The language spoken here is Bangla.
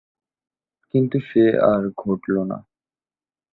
কিন্তু সে আর ঘটল না।